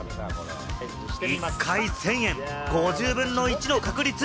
１回１０００円、５０分の１の確率。